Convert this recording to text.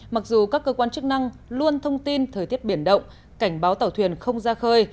mặc dù các cơ quan chức năng luôn thông tin thời tiết biển động cảnh báo tàu thuyền không ra khơi